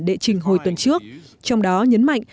đệ trình hồi tuần trước trong đó nhấn mạnh